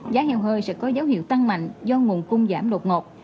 giá heo hơi sẽ có dấu hiệu tăng mạnh do nguồn cung giảm đột ngột